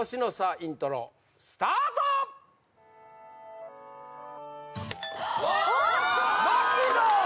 イントロスタート槙野！